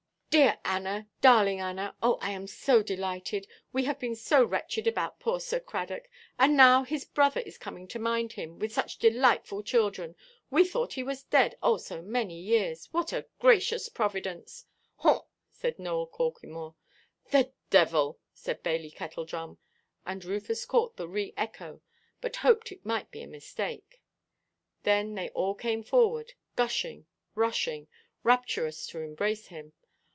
"Dear Anna, darling Anna, oh, I am so delighted! We have been so wretched about poor Sir Cradock. And now his brother is coming to mind him, with such delightful children! We thought he was dead, oh, so many years! What a gracious providence!" "Haw!" said Nowell Corklemore. "The devil!" said Bailey Kettledrum, and Rufus caught the re–echo, but hoped it might be a mistake. Then they all came forward, gushing, rushing, rapturous to embrace him.